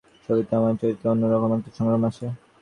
ছবিতে আমার চরিত্রের অন্য রকম একটা সংগ্রাম আছে।